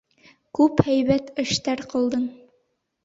— Күп һәйбәт эштәр ҡылдың.